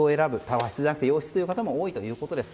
和室じゃなくて洋室という方も多いということです。